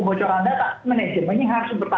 kita harapkan adanya ruu pdp ini segeralah dikeluarkan